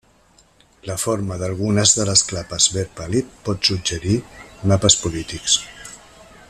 La forma d'algunes de les clapes verd pàl·lid pot suggerir mapes polítics.